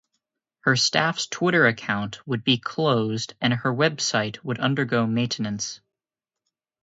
Her staff's Twitter account would be closed and her website would undergo maintenance.